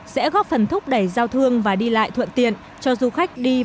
sẽ góp phần thúc đẩy giao thương và đi lại thuận tiện cho du khách đi và đến tp cnh